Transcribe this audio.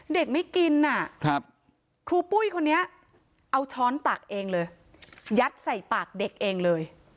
เด็กไม่กินครูปุ้ยคนนี้เอาช้อนตักเองเลยยัดใส่ปากเด็กเองเลย